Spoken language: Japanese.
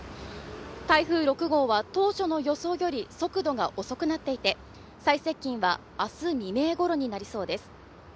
台風６号は当初の予想より速度が遅くなっていて最接近は明日未明ごろになりそうです。